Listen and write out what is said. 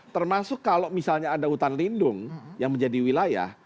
termasuk kalau misalnya ada hutan lindung yang menjadi wilayah